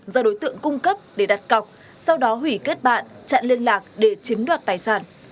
do đối tượng cung cấp để đặt cọc sau đó hủy kết bạn chặn liên lạc để chiếm đoạt tài sản